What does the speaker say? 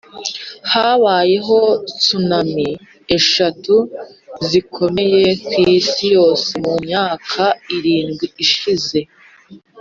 habayeho tsunami eshatu zikomeye kwisi yose mumyaka irindwi ishize.